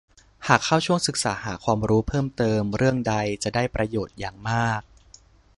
หากเข้าช่วงศึกษาหาความรู้เพิ่มเติมเรื่องใดจะได้ประโยชน์อย่างมาก